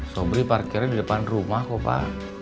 sobri parkirnya di depan rumah kok pak